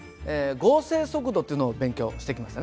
合成速度というのを勉強してきましたね。